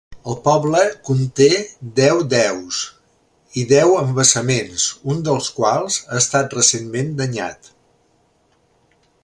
El poble conté deu deus i deu embassaments, un dels quals ha estat recentment danyat.